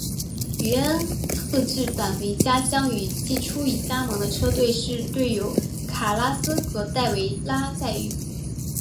云安贺治返回家乡与季初已加盟的车路士队友卡拉斯和戴维拉再遇。